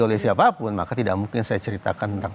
oleh siapapun maka tidak mungkin saya ceritakan tentang